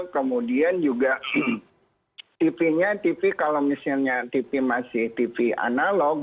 kemudian juga tv nya tv kalau misalnya tv masih tv analog